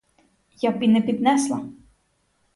Я б і не піднесла!